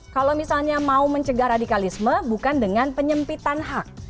kalau misalnya mau mencegah radikalisme bukan dengan penyempitan hak